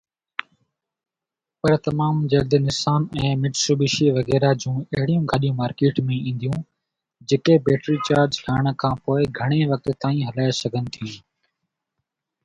پر تمام جلد نسان ۽ مٽسوبشي وغيره جون اهڙيون گاڏيون مارڪيٽ ۾ اينديون جيڪي بيٽري چارج ڪرڻ کانپوءِ گهڻي وقت تائين هلائي سگهن ٿيون.